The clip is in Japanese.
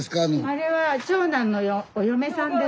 あれは長男のお嫁さんです。